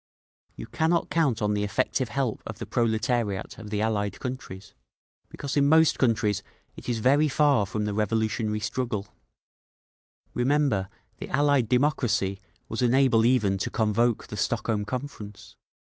"You cannot count on the effective help of the proletariat of the Allied countries, because in most countries it is very far from the revolutionary struggle; remember, the Allied democracy was unable even to convoke the Stockholm Conference.